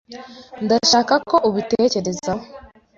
Ndashaka ko ubitekerezaho.